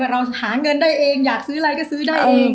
เราหาเงินได้เองอยากซื้ออะไรก็ซื้อได้เอง